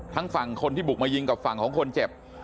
ฝั่งคนที่บุกมายิงกับฝั่งของคนเจ็บ